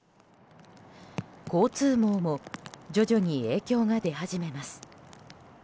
交通網も徐々に影響が出始めます。